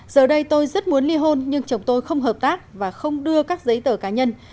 giờ đây tôi rất muốn li hôn nhưng chồng tôi không hợp tác và không đưa các giấy tờ cá nhân